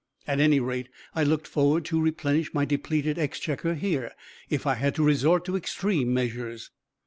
At any rate, I looked forward to replenish my depleted exchequer here, if I had to resort to extreme measures.